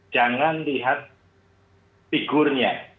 jangan lihat figurnya